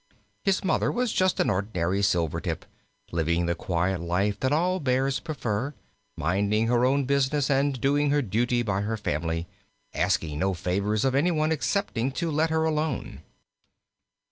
His Mother was just an ordinary Silvertip, living the quiet life that all Bears prefer, minding her own business and doing her duty by her family, asking no favors of any one excepting to let her alone.